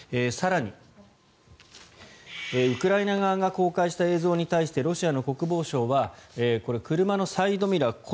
更にウクライナ側が公開した映像に対してロシアの国防省は車のサイドミラー